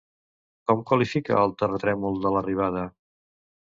Com qualifica el terratrèmol de l'arribada?